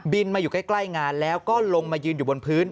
มาอยู่ใกล้งานแล้วก็ลงมายืนอยู่บนพื้น